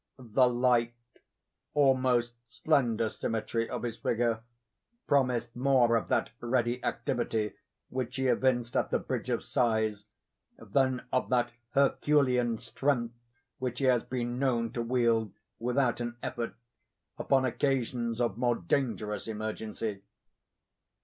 The light, almost slender symmetry of his figure, promised more of that ready activity which he evinced at the Bridge of Sighs, than of that Herculean strength which he has been known to wield without an effort, upon occasions of more dangerous emergency.